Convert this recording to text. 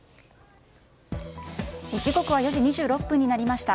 時刻は４時２６分になりました。